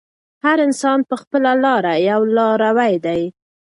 هر انسان په خپله لاره یو لاروی دی.